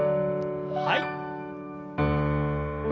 はい。